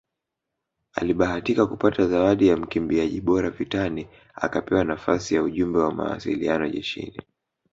Alibahatika kupata zawadi ya mkimbiaji bora vitani akapewa nafasi ya ujumbe wa mawasiliano jeshini